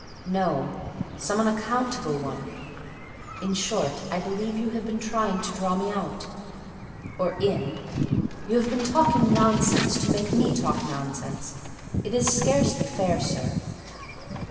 "No; some unaccountable one. In short, I believe you have been trying to draw me out—or in; you have been talking nonsense to make me talk nonsense. It is scarcely fair, sir."